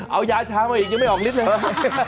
เอายาชาเอายังไม่ออกนิดหน่อย